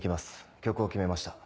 曲を決めました。